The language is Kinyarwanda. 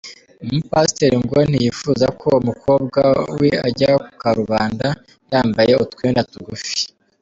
Uyu mupasiteri ngo ntiyifuza ko umukobwa we ajya ku karubanda yambaye utwenda tugufi.